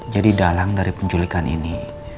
jadi dalang dari penculikan ini